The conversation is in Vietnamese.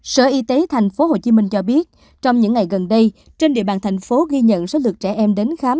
sở y tế tp hcm cho biết trong những ngày gần đây trên địa bàn thành phố ghi nhận số lượt trẻ em đến khám